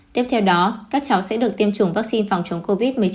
tiếp theo đó các cháu sẽ được tiêm chủng vaccine phòng chống covid một mươi chín